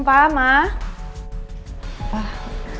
assalamualaikum pa ma